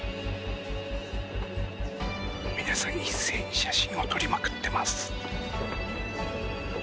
皆さん一斉に写真を撮りまくってます。